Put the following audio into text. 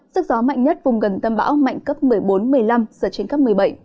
sức gió mạnh nhất vùng gần tâm bão mạnh cấp một mươi bốn một mươi năm giật trên cấp một mươi bảy